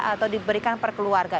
atau diberikan per keluarga